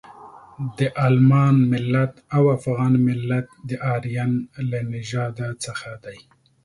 د المان ملت او افغان ملت د ارین له نژاده څخه دي.